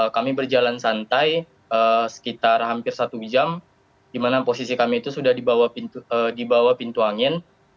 kami berjalan santai sekitar hampir satu jam dimana posisi kami itu sudah di bawah pintu angin